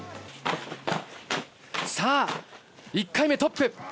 さあ、１回目トップ